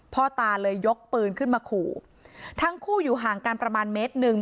พ่อตาเลยยกปืนขึ้นมาขู่ทั้งคู่อยู่ห่างกันประมาณเมตรหนึ่ง